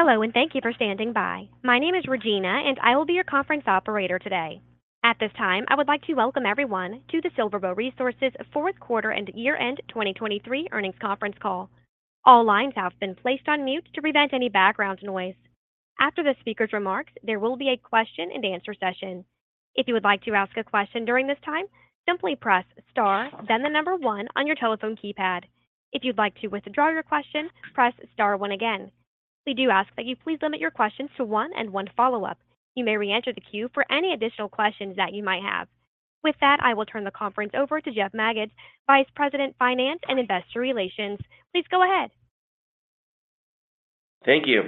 Hello, and thank you for standing by. My name is Regina, and I will be your conference operator today. At this time, I would like to welcome everyone to the SilverBow Resources fourth quarter and year-end 2023 earnings conference call. All lines have been placed on mute to prevent any background noise. After the speaker's remarks, there will be a question-and-answer session. If you would like to ask a question during this time, simply press * then the number one on your telephone keypad. If you'd like to withdraw your question, press * one again. We do ask that you please limit your questions to one and one follow-up. You may re-enter the queue for any additional questions that you might have. With that, I will turn the conference over to Jeff Magids, Vice President of Finance and Investor Relations. Please go ahead. Thank you.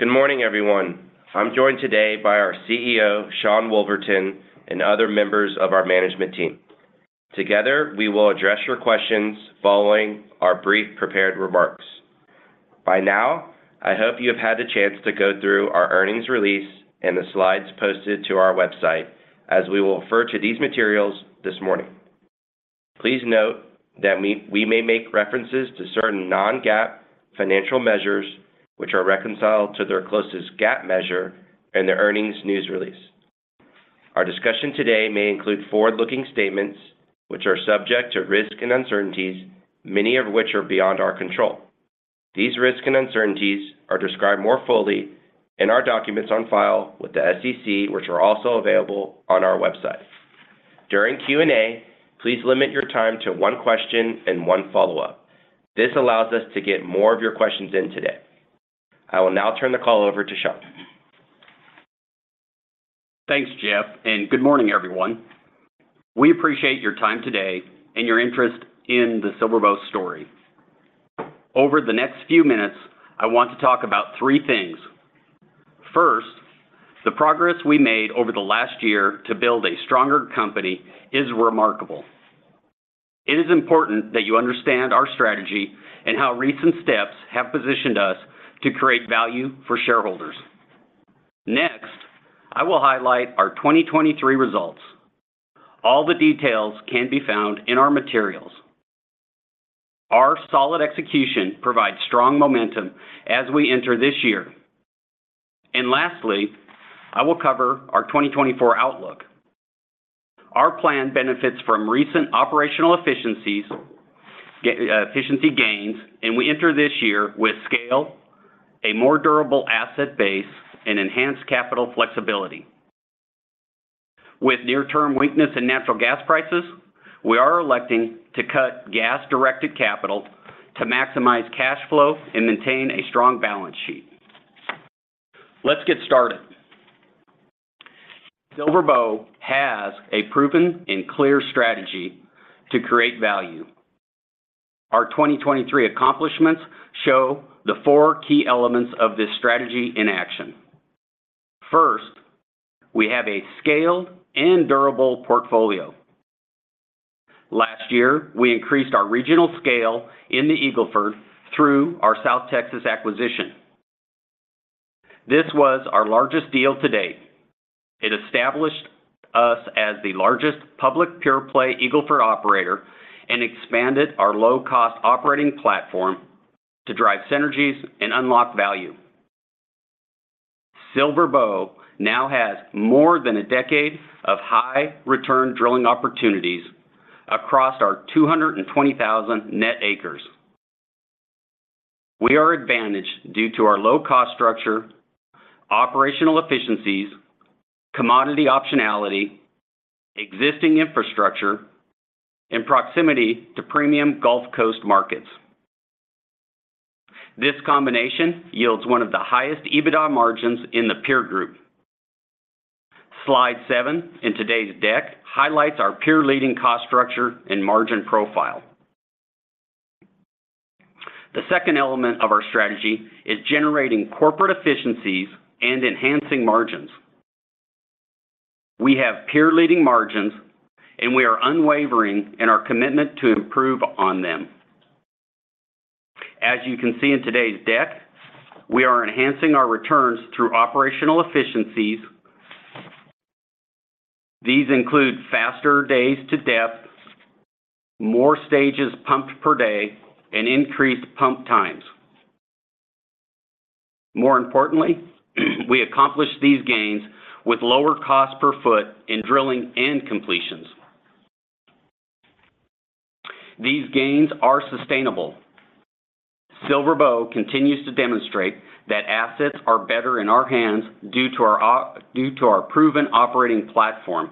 Good morning, everyone. I'm joined today by our CEO, Sean Woolverton, and other members of our management team. Together, we will address your questions following our brief prepared remarks. By now, I hope you have had the chance to go through our earnings release and the slides posted to our website, as we will refer to these materials this morning. Please note that we may make references to certain non-GAAP financial measures, which are reconciled to their closest GAAP measure in the earnings news release. Our discussion today may include forward-looking statements, which are subject to risk and uncertainties, many of which are beyond our control. These risk and uncertainties are described more fully in our documents on file with the SEC, which are also available on our website. During Q&A, please limit your time to one question and one follow-up. This allows us to get more of your questions in today. I will now turn the call over to Sean. Thanks, Jeff, and good morning, everyone. We appreciate your time today and your interest in the SilverBow story. Over the next few minutes, I want to talk about three things. First, the progress we made over the last year to build a stronger company is remarkable. It is important that you understand our strategy and how recent steps have positioned us to create value for shareholders. Next, I will highlight our 2023 results. All the details can be found in our materials. Our solid execution provides strong momentum as we enter this year. Lastly, I will cover our 2024 outlook. Our plan benefits from recent operational efficiency gains, and we enter this year with scale, a more durable asset base, and enhanced capital flexibility. With near-term weakness in natural gas prices, we are electing to cut gas-directed capital to maximize cash flow and maintain a strong balance sheet. Let's get started. SilverBow has a proven and clear strategy to create value. Our 2023 accomplishments show the four key elements of this strategy in action. First, we have a scaled and durable portfolio. Last year, we increased our regional scale in the Eagle Ford through our South Texas acquisition. This was our largest deal to date. It established us as the largest public pure-play Eagle Ford operator and expanded our low-cost operating platform to drive synergies and unlock value. SilverBow now has more than a decade of high-return drilling opportunities across our 220,000 net acres. We are advantaged due to our low-cost structure, operational efficiencies, commodity optionality, existing infrastructure, and proximity to premium Gulf Coast markets. This combination yields one of the highest EBITDA margins in the peer group. Slide seven in today's deck highlights our peer-leading cost structure and margin profile. The second element of our strategy is generating corporate efficiencies and enhancing margins. We have peer-leading margins, and we are unwavering in our commitment to improve on them. As you can see in today's deck, we are enhancing our returns through operational efficiencies. These include faster days to depth, more stages pumped per day, and increased pump times. More importantly, we accomplish these gains with lower costs per foot in drilling and completions. These gains are sustainable. SilverBow continues to demonstrate that assets are better in our hands due to our proven operating platform.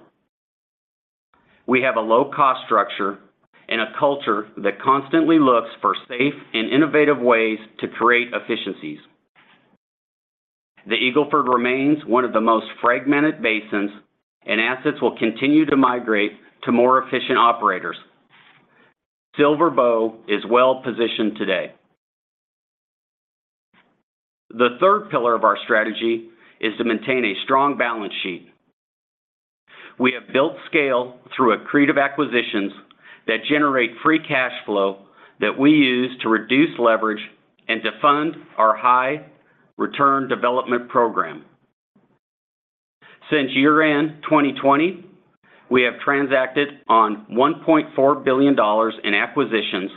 We have a low-cost structure and a culture that constantly looks for safe and innovative ways to create efficiencies. The Eagle Ford remains one of the most fragmented basins, and assets will continue to migrate to more efficient operators. SilverBow is well-positioned today. The third pillar of our strategy is to maintain a strong balance sheet. We have built scale through accretive acquisitions that generate free cash flow that we use to reduce leverage and to fund our high-return development program. Since year-end 2020, we have transacted on $1.4 billion in acquisitions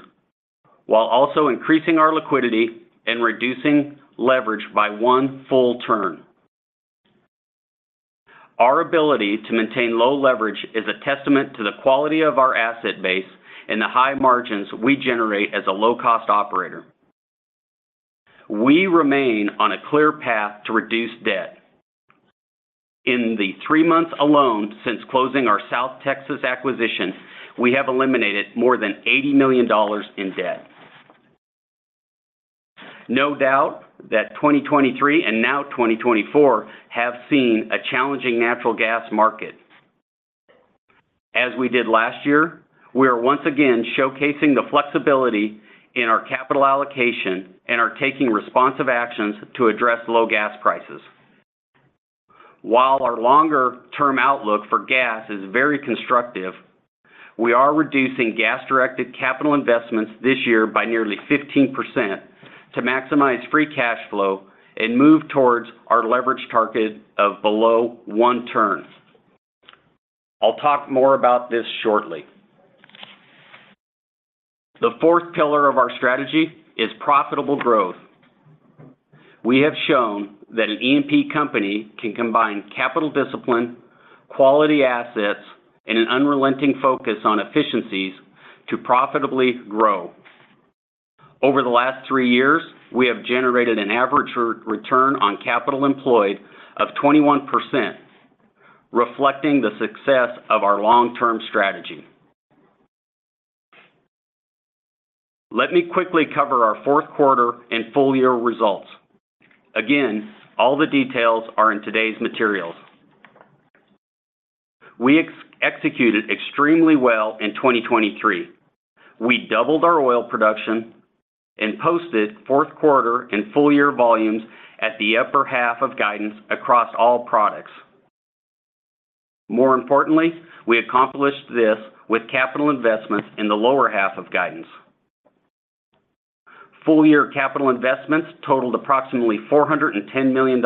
while also increasing our liquidity and reducing leverage by one full turn. Our ability to maintain low leverage is a testament to the quality of our asset base and the high margins we generate as a low-cost operator. We remain on a clear path to reduce debt. In the three months alone since closing our South Texas acquisition, we have eliminated more than $80 million in debt. No doubt that 2023 and now 2024 have seen a challenging natural gas market. As we did last year, we are once again showcasing the flexibility in our capital allocation and are taking responsive actions to address low gas prices. While our longer-term outlook for gas is very constructive, we are reducing gas-directed capital investments this year by nearly 15% to maximize free cash flow and move towards our leverage target of below one turn. I'll talk more about this shortly. The fourth pillar of our strategy is profitable growth. We have shown that an E&P company can combine capital discipline, quality assets, and an unrelenting focus on efficiencies to profitably grow. Over the last three years, we have generated an average return on capital employed of 21%, reflecting the success of our long-term strategy. Let me quickly cover our fourth quarter and full-year results. Again, all the details are in today's materials. We executed extremely well in 2023. We doubled our oil production and posted fourth quarter and full-year volumes at the upper half of guidance across all products. More importantly, we accomplished this with capital investments in the lower half of guidance. Full-year capital investments totaled approximately $410 million,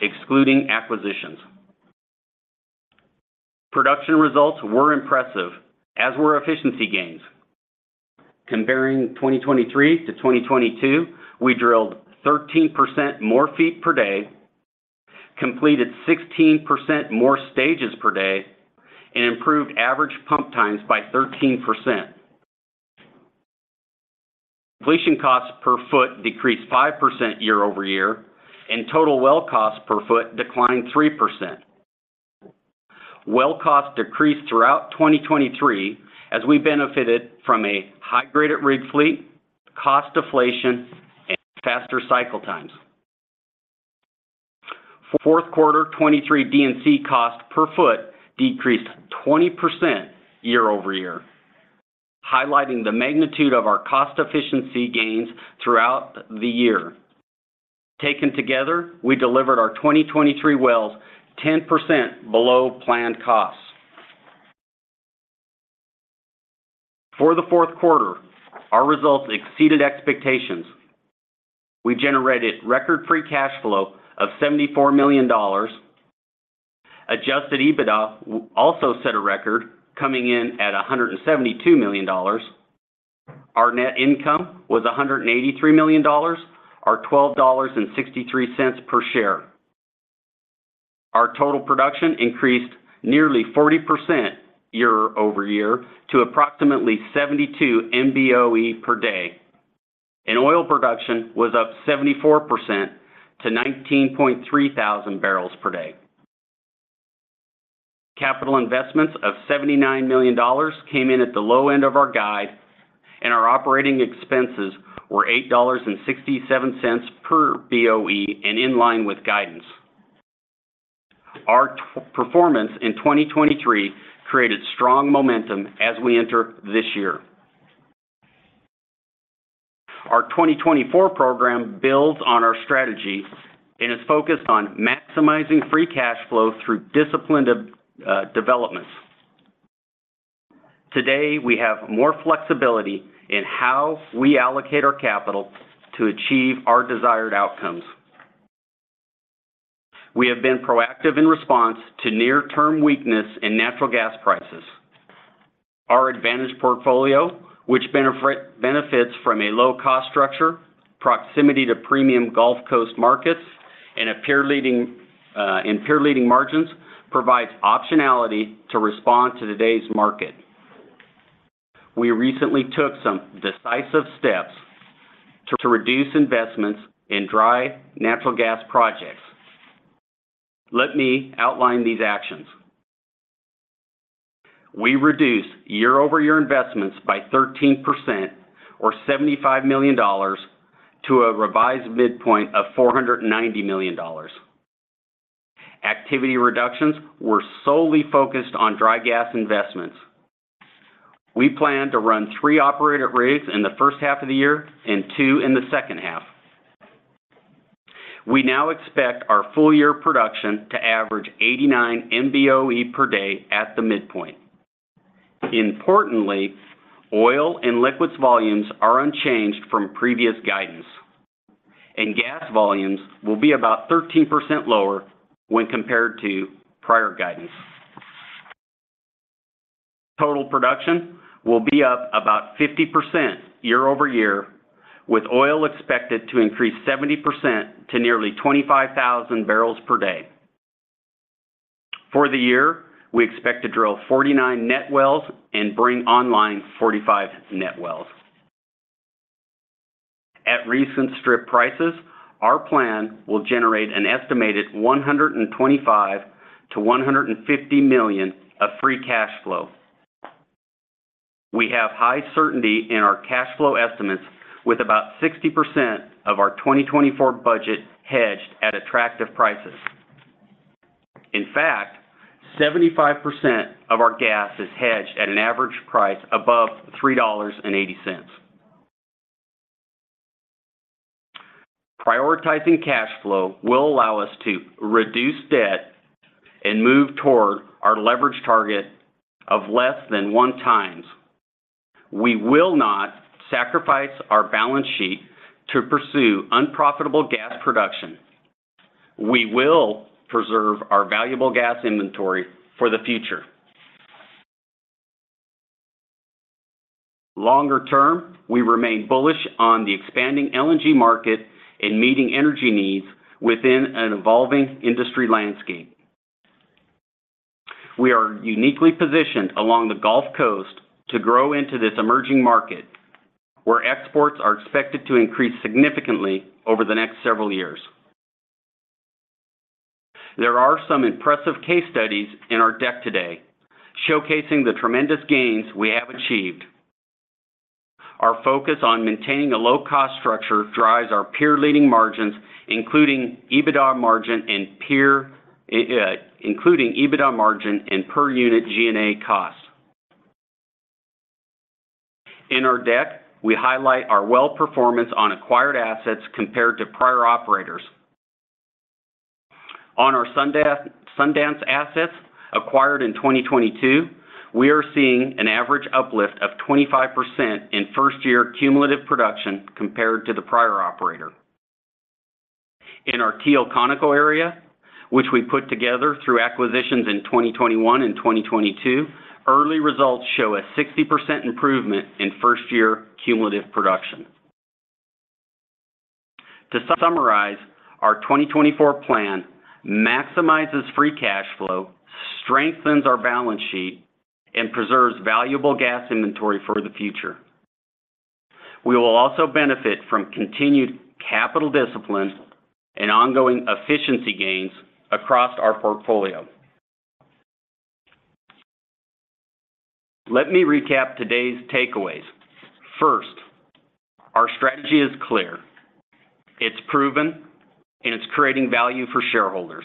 excluding acquisitions. Production results were impressive, as were efficiency gains. Comparing 2023 to 2022, we drilled 13% more feet per day, completed 16% more stages per day, and improved average pump times by 13%. Completion costs per foot decreased 5% year-over-year, and total well costs per foot declined 3%. Well costs decreased throughout 2023 as we benefited from a high-grade rig fleet, cost deflation, and faster cycle times. Fourth quarter 2023 D&C costs per foot decreased 20% year-over-year, highlighting the magnitude of our cost efficiency gains throughout the year. Taken together, we delivered our 2023 wells 10% below planned costs. For the fourth quarter, our results exceeded expectations. We generated record free cash flow of $74 million. Adjusted EBITDA also set a record, coming in at $172 million. Our net income was $183 million, or $12.63 per share. Our total production increased nearly 40% year-over-year to approximately 72 MBOE per day, and oil production was up 74% to 19,300 barrels per day. Capital investments of $79 million came in at the low end of our guide, and our operating expenses were $8.67 per BOE and in line with guidance. Our performance in 2023 created strong momentum as we enter this year. Our 2024 program builds on our strategy and is focused on maximizing free cash flow through disciplined development. Today, we have more flexibility in how we allocate our capital to achieve our desired outcomes. We have been proactive in response to near-term weakness in natural gas prices. Our advantaged portfolio, which benefits from a low-cost structure, proximity to premium Gulf Coast markets, and peer-leading margins, provides optionality to respond to today's market. We recently took some decisive steps to reduce investments in dry natural gas projects. Let me outline these actions. We reduced year-over-year investments by 13%, or $75 million, to a revised midpoint of $490 million. Activity reductions were solely focused on dry gas investments. We plan to run three operated rigs in the first half of the year and two in the second half. We now expect our full-year production to average 89 MBOE per day at the midpoint. Importantly, oil and liquids volumes are unchanged from previous guidance, and gas volumes will be about 13% lower when compared to prior guidance. Total production will be up about 50% year-over-year, with oil expected to increase 70% to nearly 25,000 barrels per day. For the year, we expect to drill 49 net wells and bring online 45 net wells. At recent strip prices, our plan will generate an estimated $125 million-$150 million of free cash flow. We have high certainty in our cash flow estimates, with about 60% of our 2024 budget hedged at attractive prices. In fact, 75% of our gas is hedged at an average price above $3.80. Prioritizing cash flow will allow us to reduce debt and move toward our leverage target of less than 1x. We will not sacrifice our balance sheet to pursue unprofitable gas production. We will preserve our valuable gas inventory for the future. Longer term, we remain bullish on the expanding LNG market and meeting energy needs within an evolving industry landscape. We are uniquely positioned along the Gulf Coast to grow into this emerging market, where exports are expected to increase significantly over the next several years. There are some impressive case studies in our deck today showcasing the tremendous gains we have achieved. Our focus on maintaining a low-cost structure drives our peer-leading margins, including EBITDA margin and per unit G&A costs. In our deck, we highlight our well performance on acquired assets compared to prior operators. On our Sundance assets acquired in 2022, we are seeing an average uplift of 25% in first-year cumulative production compared to the prior operator. In our Teal Conoco area, which we put together through acquisitions in 2021 and 2022, early results show a 60% improvement in first-year cumulative production. To summarize, our 2024 plan maximizes free cash flow, strengthens our balance sheet, and preserves valuable gas inventory for the future. We will also benefit from continued capital discipline and ongoing efficiency gains across our portfolio. Let me recap today's takeaways. First, our strategy is clear. It's proven, and it's creating value for shareholders.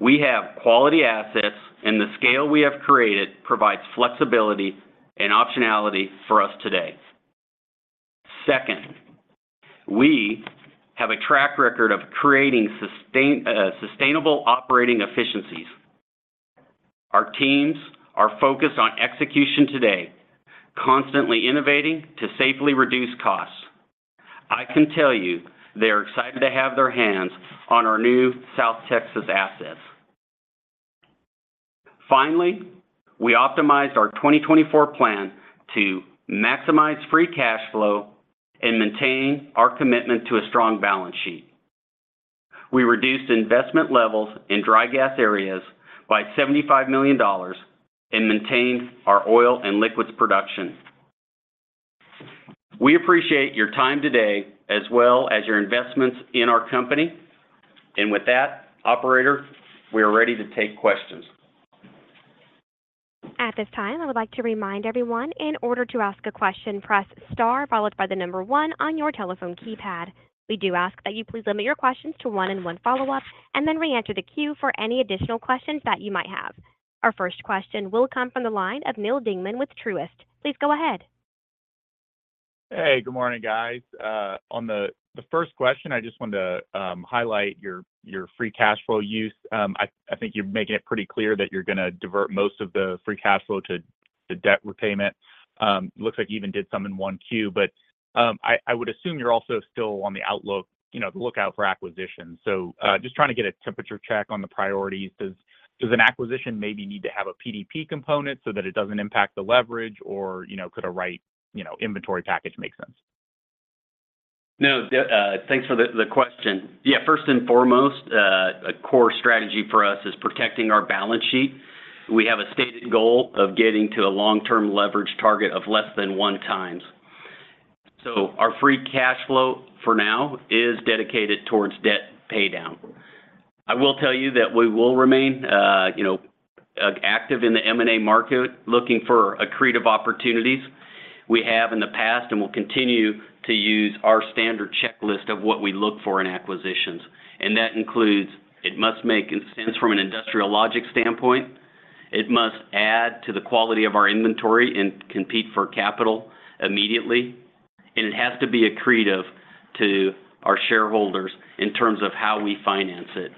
We have quality assets, and the scale we have created provides flexibility and optionality for us today. Second, we have a track record of creating sustainable operating efficiencies. Our teams are focused on execution today, constantly innovating to safely reduce costs. I can tell you they are excited to have their hands on our new South Texas assets. Finally, we optimized our 2024 plan to maximize free cash flow and maintain our commitment to a strong balance sheet. We reduced investment levels in dry gas areas by $75 million and maintained our oil and liquids production. We appreciate your time today as well as your investments in our company. With that, operator, we are ready to take questions. At this time, I would like to remind everyone, in order to ask a question, press star followed by the number one on your telephone keypad. We do ask that you please limit your questions to one and one follow-up and then re-enter the queue for any additional questions that you might have. Our first question will come from the line of Neal Dingmann with Truist. Please go ahead. Hey, good morning, guys. On the first question, I just want to highlight your free cash flow use. I think you're making it pretty clear that you're going to divert most of the free cash flow to debt repayment. Looks like you even did some in 1Q. But I would assume you're also still on the lookout for acquisitions. So just trying to get a temperature check on the priorities. Does an acquisition maybe need to have a PDP component so that it doesn't impact the leverage, or could a right inventory package make sense? No, thanks for the question. Yeah, first and foremost, a core strategy for us is protecting our balance sheet. We have a stated goal of getting to a long-term leverage target of less than one times. So our free cash flow for now is dedicated towards debt paydown. I will tell you that we will remain active in the M&A market, looking for accretive opportunities. We have in the past and will continue to use our standard checklist of what we look for in acquisitions. That includes it must make sense from an industrial logic standpoint. It must add to the quality of our inventory and compete for capital immediately. It has to be accretive to our shareholders in terms of how we finance it.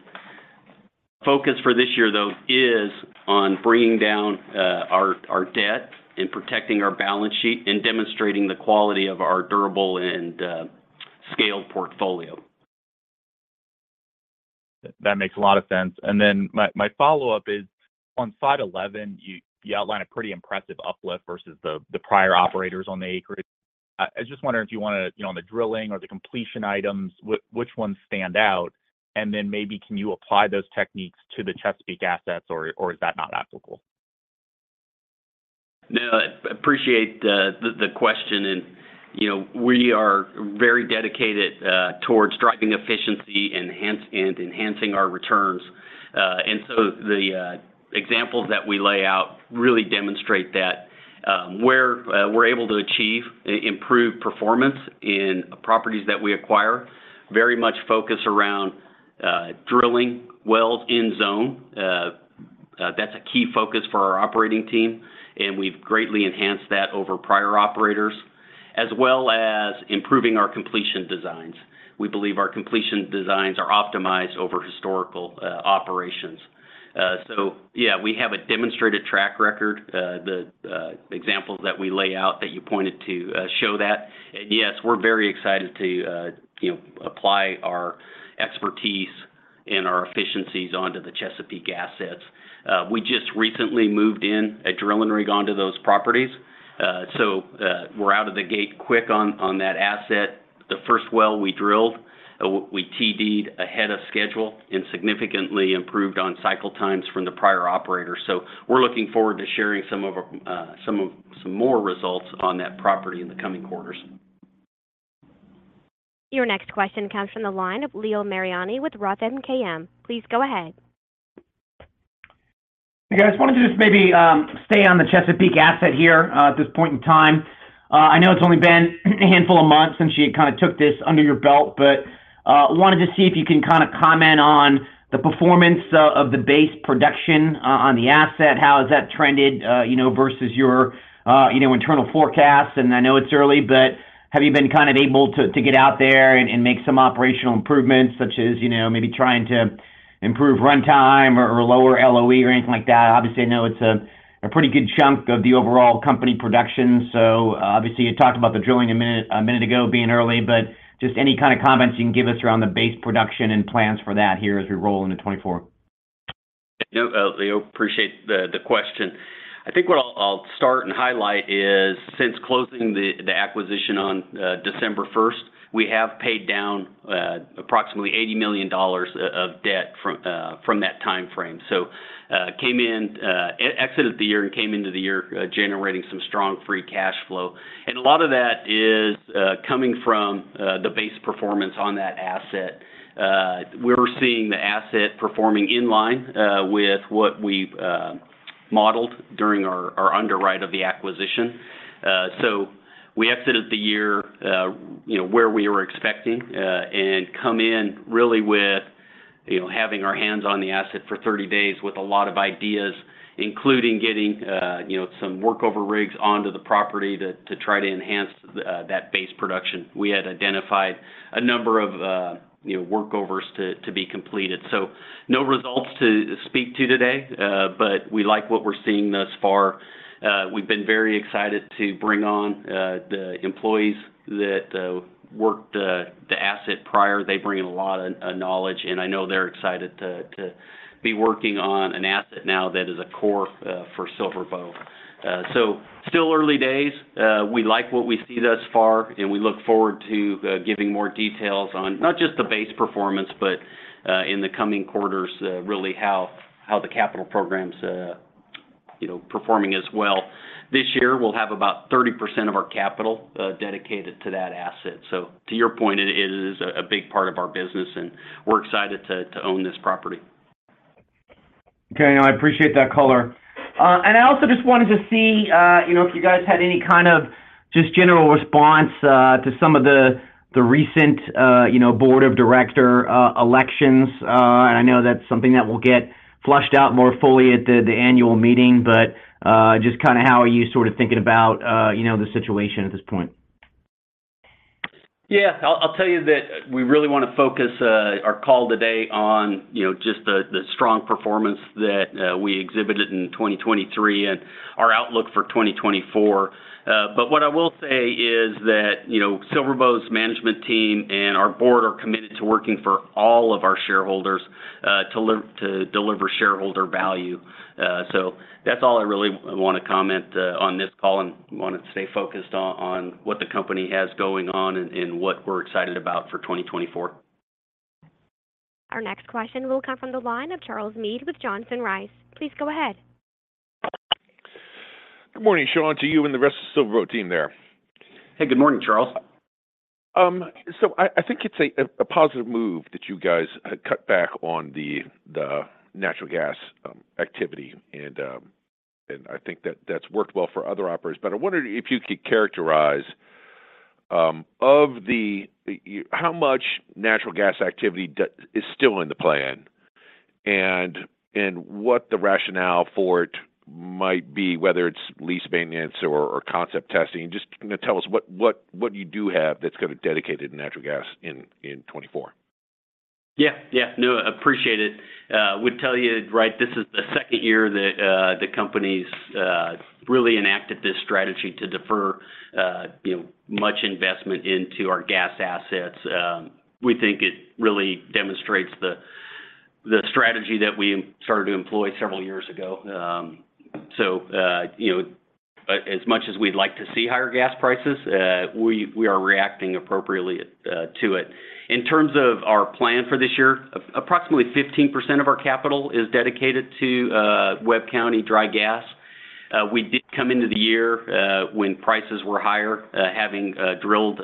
Focus for this year, though, is on bringing down our debt and protecting our balance sheet and demonstrating the quality of our durable and scaled portfolio. That makes a lot of sense. And then my follow-up is, on slide 11, you outline a pretty impressive uplift versus the prior operators on the acreage. I just wonder if you want to on the drilling or the completion items, which ones stand out? And then maybe can you apply those techniques to the Chesapeake assets, or is that not applicable? No, I appreciate the question. We are very dedicated towards driving efficiency and enhancing our returns. So the examples that we lay out really demonstrate that. Where we're able to achieve improved performance in properties that we acquire, very much focus around drilling wells in zone. That's a key focus for our operating team. We've greatly enhanced that over prior operators, as well as improving our completion designs. We believe our completion designs are optimized over historical operations. Yeah, we have a demonstrated track record. The examples that we lay out that you pointed to show that. Yes, we're very excited to apply our expertise and our efficiencies onto the Chesapeake assets. We just recently moved in a drilling rig onto those properties. We're out of the gate quick on that asset. The first well we drilled, we TD ahead of schedule and significantly improved on cycle times from the prior operator. So we're looking forward to sharing some more results on that property in the coming quarters. Your next question comes from the line of Leo Mariani with Roth MKM. Please go ahead. Hey guys, wanted to just maybe stay on the Chesapeake asset here at this point in time. I know it's only been a handful of months since you kind of took this under your belt, but wanted to see if you can kind of comment on the performance of the base production on the asset. How has that trended versus your internal forecasts? And I know it's early, but have you been kind of able to get out there and make some operational improvements, such as maybe trying to improve runtime or lower LOE or anything like that? Obviously, I know it's a pretty good chunk of the overall company production. So obviously, you talked about the drilling a minute ago being early, but just any kind of comments you can give us around the base production and plans for that here as we roll into 2024. Nope, Leo, appreciate the question. I think what I'll start and highlight is, since closing the acquisition on December 1st, we have paid down approximately $80 million of debt from that time frame. So exited the year and came into the year generating some strong free cash flow. And a lot of that is coming from the base performance on that asset. We're seeing the asset performing in line with what we modeled during our underwrite of the acquisition. So we exited the year where we were expecting and come in really with having our hands on the asset for 30 days with a lot of ideas, including getting some workover rigs onto the property to try to enhance that base production. We had identified a number of workovers to be completed. So no results to speak to today, but we like what we're seeing thus far. We've been very excited to bring on the employees that worked the asset prior. They bring in a lot of knowledge, and I know they're excited to be working on an asset now that is a core for SilverBow. So still early days. We like what we see thus far, and we look forward to giving more details on not just the base performance, but in the coming quarters, really how the capital program's performing as well. This year, we'll have about 30% of our capital dedicated to that asset. So to your point, it is a big part of our business, and we're excited to own this property. Okay, I appreciate that color. And I also just wanted to see if you guys had any kind of just general response to some of the recent board of director elections. And I know that's something that will get flushed out more fully at the annual meeting, but just kind of how are you sort of thinking about the situation at this point? Yeah, I'll tell you that we really want to focus our call today on just the strong performance that we exhibited in 2023 and our outlook for 2024. But what I will say is that SilverBow's management team and our board are committed to working for all of our shareholders to deliver shareholder value. So that's all I really want to comment on this call and want to stay focused on what the company has going on and what we're excited about for 2024. Our next question will come from the line of Charles Meade with Johnson Rice. Please go ahead. Good morning, Sean. To you and the rest of the SilverBow team there. Hey, good morning, Charles. So I think it's a positive move that you guys cut back on the natural gas activity. And I think that that's worked well for other operators. But I wondered if you could characterize how much natural gas activity is still in the plan and what the rationale for it might be, whether it's lease maintenance or concept testing? Just tell us what you do have that's kind of dedicated to natural gas in 2024. Yeah, yeah. No, appreciate it. Would tell you, right, this is the second year that the company's really enacted this strategy to defer much investment into our gas assets. We think it really demonstrates the strategy that we started to employ several years ago. So as much as we'd like to see higher gas prices, we are reacting appropriately to it. In terms of our plan for this year, approximately 15% of our capital is dedicated to Webb County dry gas. We did come into the year when prices were higher having drilled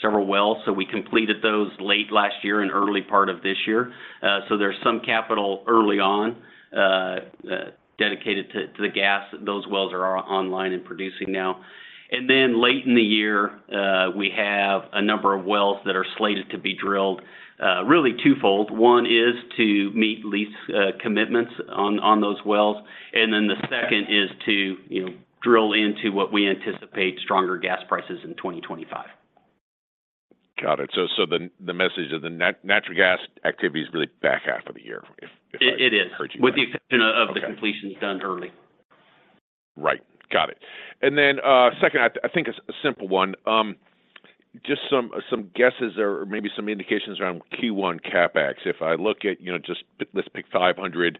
several wells. So we completed those late last year and early part of this year. So there's some capital early on dedicated to the gas. Those wells are online and producing now. And then late in the year, we have a number of wells that are slated to be drilled, really twofold. One is to meet lease commitments on those wells. And then the second is to drill into what we anticipate stronger gas prices in 2025. Got it. The message is the natural gas activity is really back half of the year, if I heard you correctly. It is, with the exception of the completions done early. Right. Got it. And then second, I think a simple one. Just some guesses or maybe some indications around Q1 CapEx. If I look at just let's pick $500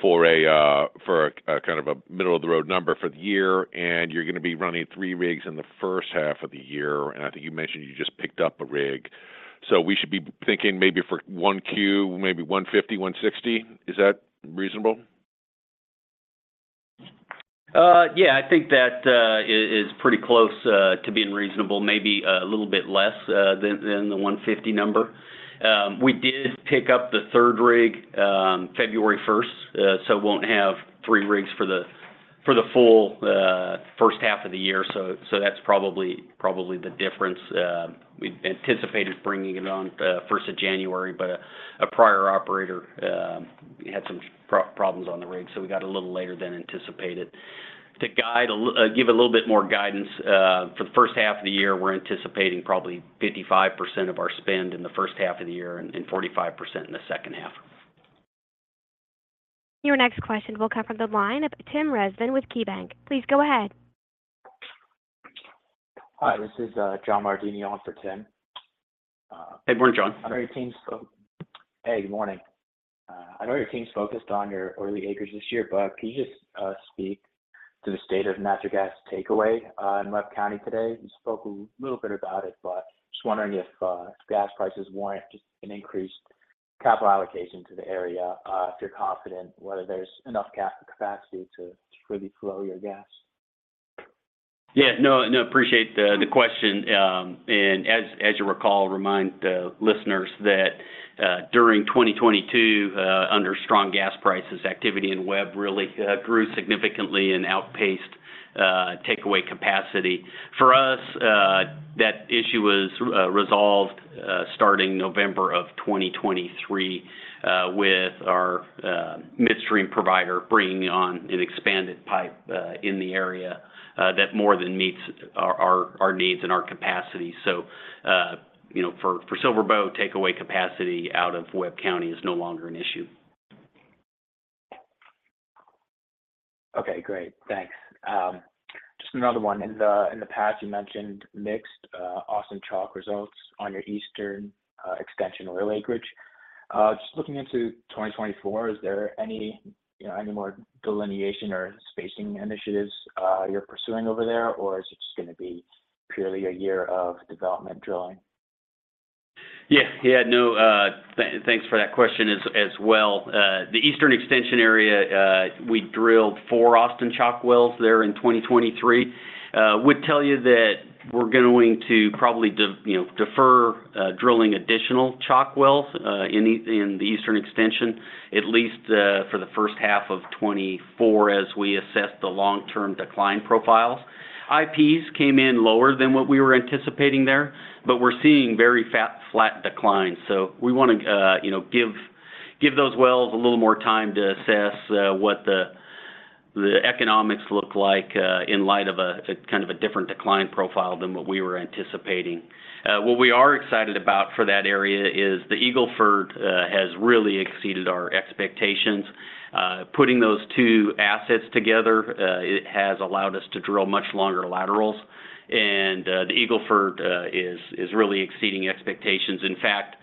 for kind of a middle-of-the-road number for the year, and you're going to be running 3 rigs in the first half of the year. And I think you mentioned you just picked up a rig. So we should be thinking maybe for Q1, maybe $150-$160. Is that reasonable? Yeah, I think that is pretty close to being reasonable, maybe a little bit less than the 150 number. We did pick up the third rig February 1st, so won't have three rigs for the full first half of the year. So that's probably the difference. We anticipated bringing it on 1st of January, but a prior operator had some problems on the rig, so we got a little later than anticipated. To give a little bit more guidance, for the first half of the year, we're anticipating probably 55% of our spend in the first half of the year and 45% in the second half. Your next question will come from the line of Tim Rezvan with KeyBanc. Please go ahead. Hi, this is John Mardini on for Tim. Hey, morning, John. I know your team's focused. Hey, good morning. I know your team's focused on your Eagle acres this year, but can you just speak to the state of natural gas takeaway in Webb County today? You spoke a little bit about it, but just wondering if gas prices warrant just an increased capital allocation to the area, if you're confident whether there's enough capacity to fully flow your gas. Yeah, no, appreciate the question. As you recall, remind listeners that during 2022, under strong gas prices, activity in Webb really grew significantly and outpaced takeaway capacity. For us, that issue was resolved starting November of 2023 with our midstream provider bringing on an expanded pipe in the area that more than meets our needs and our capacity. So for SilverBow, takeaway capacity out of Webb County is no longer an issue. Okay, great. Thanks. Just another one. In the past, you mentioned mixed Austin Chalk results on your Eastern Extension oil acreage. Just looking into 2024, is there any more delineation or spacing initiatives you're pursuing over there, or is it just going to be purely a year of development drilling? Yeah, yeah, no, thanks for that question as well. The Eastern Extension area, we drilled four Austin Chalk wells there in 2023. Would tell you that we're going to probably defer drilling additional chalk wells in the Eastern Extension, at least for the first half of 2024 as we assess the long-term decline profiles. IPs came in lower than what we were anticipating there, but we're seeing very flat declines. So we want to give those wells a little more time to assess what the economics look like in light of kind of a different decline profile than what we were anticipating. What we are excited about for that area is the Eagle Ford has really exceeded our expectations. Putting those two assets together, it has allowed us to drill much longer laterals. And the Eagle Ford is really exceeding expectations. In fact,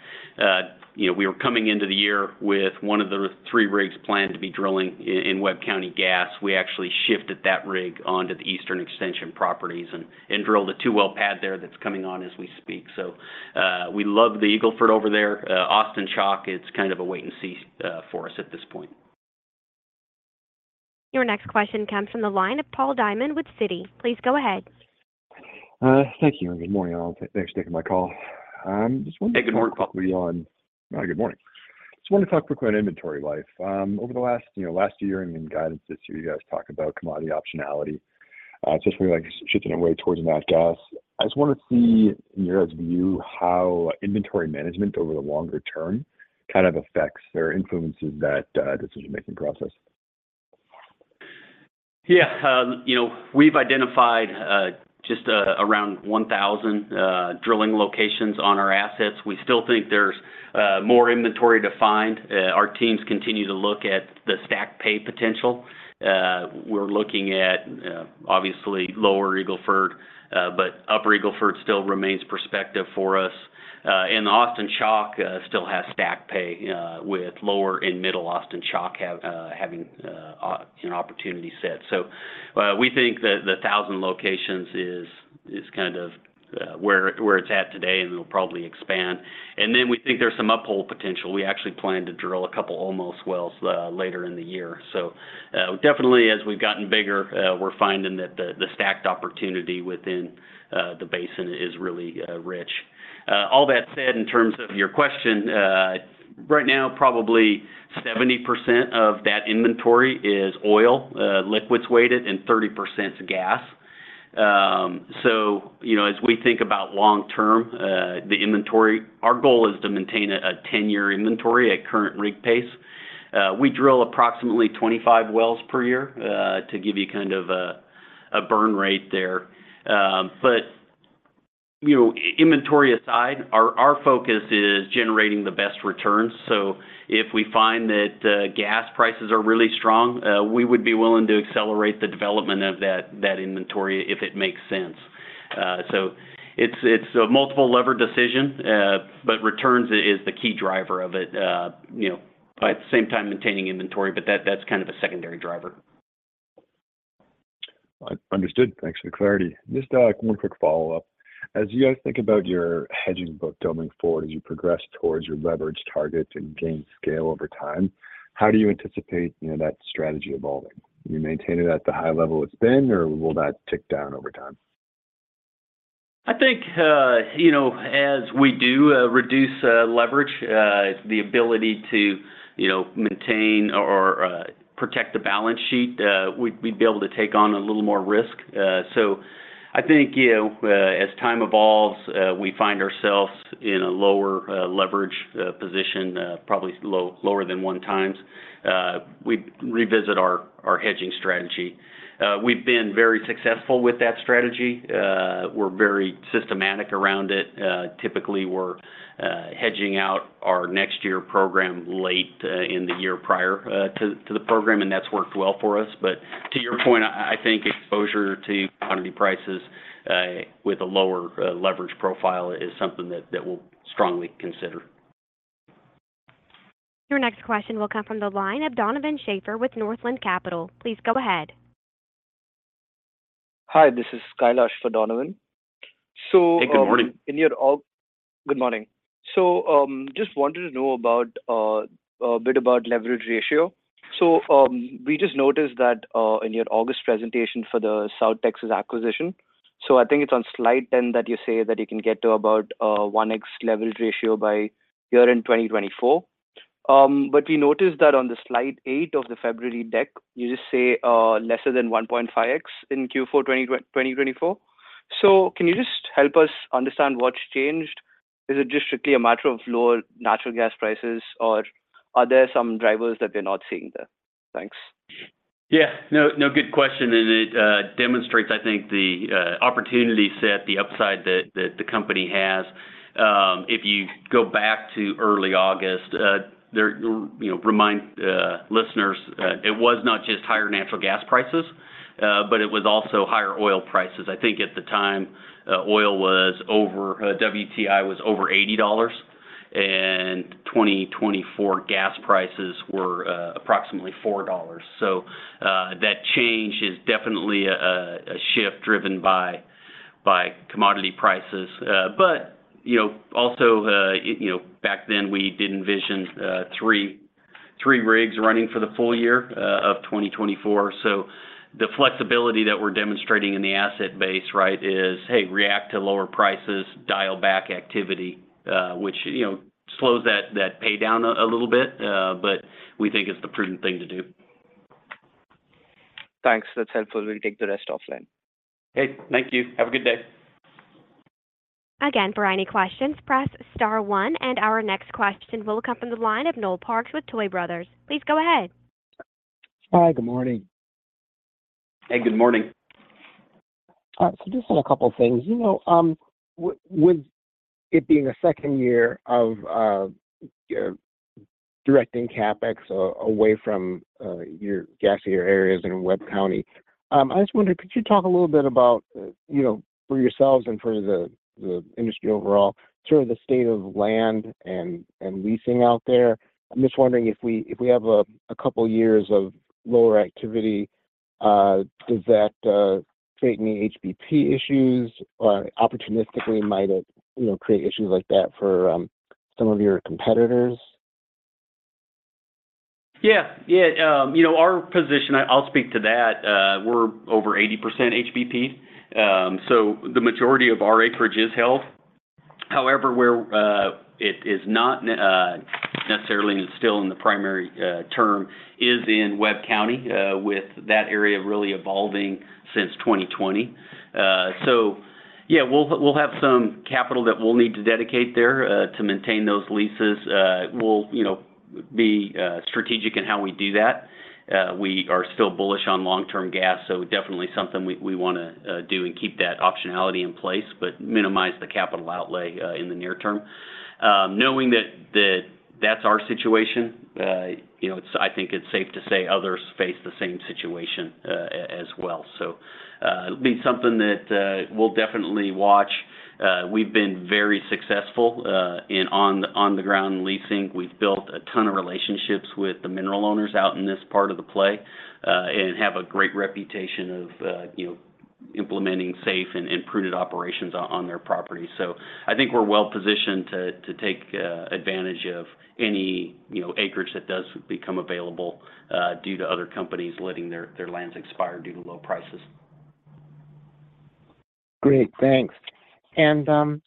we were coming into the year with one of the three rigs planned to be drilling in Webb County gas. We actually shifted that rig onto the Eastern Extension properties and drilled a two-well pad there that's coming on as we speak. So we love the Eagle Ford over there. Austin Chalk, it's kind of a wait and see for us at this point. Your next question comes from the line of Paul Diamond with Citi. Please go ahead. Thank you. Good morning, y'all. Thanks for taking my call. I'm just wondering quickly on. Hey, good morning, Paul. No, good morning. Just wanted to talk real quick on inventory life. Over the last year and in guidance this year, you guys talked about commodity optionality, especially shifting away towards natural gas. I just want to see in your guys' view how inventory management over the longer term kind of affects or influences that decision-making process. Yeah, we've identified just around 1,000 drilling locations on our assets. We still think there's more inventory to find. Our teams continue to look at the stacked pay potential. We're looking at, obviously, Lower Eagle Ford, but Upper Eagle Ford still remains prospective for us. And the Austin Chalk still has stacked pay with Lower and Middle Austin Chalk having an opportunity set. So we think that the 1,000 locations is kind of where it's at today, and it'll probably expand. And then we think there's some uphole potential. We actually plan to drill a couple of uphole wells later in the year. So definitely, as we've gotten bigger, we're finding that the stacked opportunity within the basin is really rich. All that said, in terms of your question, right now, probably 70% of that inventory is oil, liquids weighted, and 30%'s gas. So as we think about long-term, our goal is to maintain a 10-year inventory at current rig pace. We drill approximately 25 wells per year to give you kind of a burn rate there. But inventory aside, our focus is generating the best returns. So if we find that gas prices are really strong, we would be willing to accelerate the development of that inventory if it makes sense. So it's a multiple-lever decision, but returns is the key driver of it, at the same time maintaining inventory. But that's kind of a secondary driver. Understood. Thanks for the clarity. Just one quick follow-up. As you guys think about your hedging book going forward, as you progress towards your leverage targets and gain scale over time, how do you anticipate that strategy evolving? You maintain it at the high level it's been, or will that tick down over time? I think as we do reduce leverage, the ability to maintain or protect the balance sheet, we'd be able to take on a little more risk. So I think as time evolves, we find ourselves in a lower leverage position, probably lower than 1x. We'd revisit our hedging strategy. We've been very successful with that strategy. We're very systematic around it. Typically, we're hedging out our next-year program late in the year prior to the program, and that's worked well for us. But to your point, I think exposure to commodity prices with a lower leverage profile is something that we'll strongly consider. Your next question will come from the line of Donovan Schafer with Northland Capital. Please go ahead. Hi, this is Kailash for Donovan. So. Hey, good morning. Thank you, good morning. So just wanted to know a bit about leverage ratio. So we just noticed that in your August presentation for the South Texas acquisition, so I think it's on slide 10 that you say that you can get to about 1x leverage ratio by year-end 2024. But we noticed that on slide eight of the February deck, you just say less than 1.5x in Q4 2024. So can you just help us understand what's changed? Is it just strictly a matter of lower natural gas prices, or are there some drivers that we're not seeing there? Thanks. Yeah, no, good question. It demonstrates, I think, the opportunity set, the upside that the company has. If you go back to early August, remind listeners, it was not just higher natural gas prices, but it was also higher oil prices. I think at the time, oil was over, WTI was over $80, and 2024 gas prices were approximately $4. That change is definitely a shift driven by commodity prices. Also, back then, we did envision three rigs running for the full year of 2024. The flexibility that we're demonstrating in the asset base, right, is, hey, react to lower prices, dial back activity, which slows that pay down a little bit, but we think it's the prudent thing to do. Thanks. That's helpful. We'll take the rest offline. Hey, thank you. Have a good day. Again, for any questions, press star one. And our next question will come from the line of Noel Parks with Tuohy Brothers. Please go ahead. Hi, good morning. Hey, good morning. All right. Just on a couple of things. With it being a second year of directing CapEx away from your gas-heavy areas in Webb County, I just wondered, could you talk a little bit about, for yourselves and for the industry overall, sort of the state of land and leasing out there? I'm just wondering, if we have a couple of years of lower activity, does that create any HBP issues? Opportunistically, might it create issues like that for some of your competitors? Yeah, yeah. Our position, I'll speak to that. We're over 80% HBP. So the majority of our acreage is held. However, where it is not necessarily still in the primary term is in Webb County, with that area really evolving since 2020. So yeah, we'll have some capital that we'll need to dedicate there to maintain those leases. We'll be strategic in how we do that. We are still bullish on long-term gas, so definitely something we want to do and keep that optionality in place, but minimize the capital outlay in the near term. Knowing that that's our situation, I think it's safe to say others face the same situation as well. So it'll be something that we'll definitely watch. We've been very successful on the ground leasing. We've built a ton of relationships with the mineral owners out in this part of the play and have a great reputation of implementing safe and prudent operations on their properties. So I think we're well positioned to take advantage of any acreage that does become available due to other companies letting their lands expire due to low prices. Great. Thanks. I think the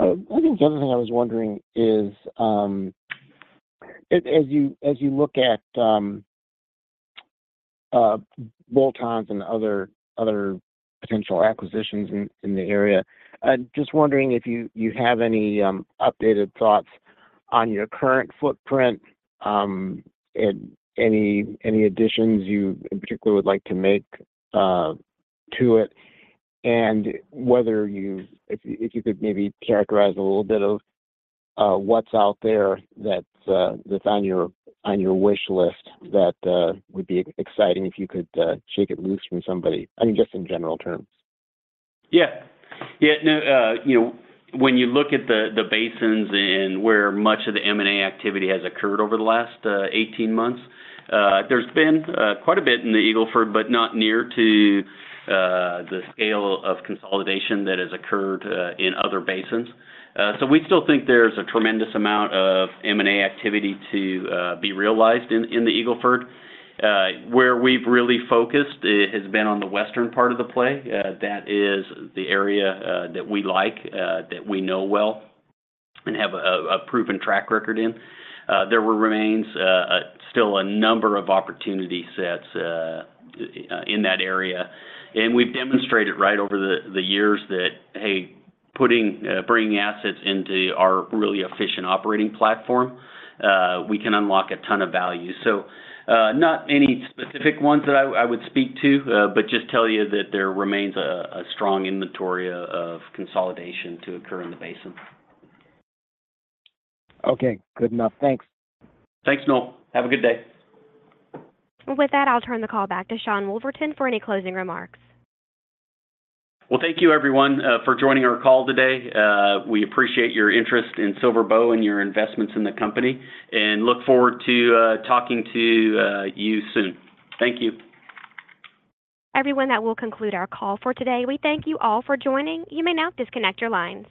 other thing I was wondering is, as you look at bolt-ons and other potential acquisitions in the area, just wondering if you have any updated thoughts on your current footprint and any additions you, in particular, would like to make to it, and if you could maybe characterize a little bit of what's out there that's on your wish list that would be exciting if you could shake it loose from somebody, I mean, just in general terms. Yeah, yeah. No, when you look at the basins and where much of the M&A activity has occurred over the last 18 months, there's been quite a bit in the Eagle Ford, but not near to the scale of consolidation that has occurred in other basins. So we still think there's a tremendous amount of M&A activity to be realized in the Eagle Ford. Where we've really focused has been on the western part of the play. That is the area that we like, that we know well and have a proven track record in. There remains still a number of opportunity sets in that area. And we've demonstrated right over the years that, hey, bringing assets into our really efficient operating platform, we can unlock a ton of value. Not any specific ones that I would speak to, but just tell you that there remains a strong inventory of consolidation to occur in the basin. Okay. Good enough. Thanks. Thanks, Noel. Have a good day. With that, I'll turn the call back to Sean Woolverton for any closing remarks. Well, thank you, everyone, for joining our call today. We appreciate your interest in SilverBow and your investments in the company and look forward to talking to you soon. Thank you. Everyone, that will conclude our call for today. We thank you all for joining. You may now disconnect your lines.